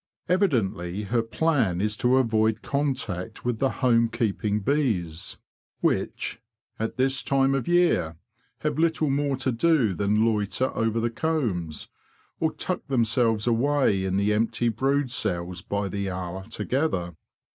Evidently her plan is to avoid contact with the home keeping bees, which, at this time of year, have little more to do 172, THE BEE MASTER OF WARRILOW than loiter over the combs, or tuck themselves away in the empty brood cells by the hour together.